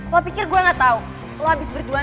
lo pikir gue gak tau lo abis berdua